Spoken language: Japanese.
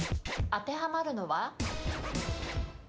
当てはまるのは？